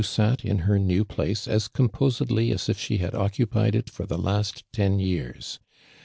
sat in her new place as composedly as if she had occupied it for the last ten years.